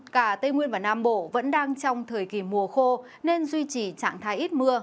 cả tây nguyên và nam bộ vẫn đang trong thời kỳ mùa khô nên duy trì trạng thái ít mưa